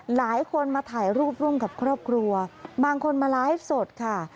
หลายคนมาถ่ายรูปร่วมกับครอบครัวบางคนมาไลฟ์สดค่ะ